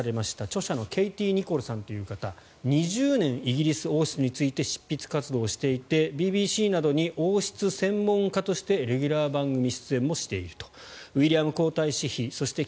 著者のケイティ・ニコルさんという方は２０年、イギリス王室について執筆活動をしていてＢＢＣなどに王室専門家としてレギュラー番組出演もしていると。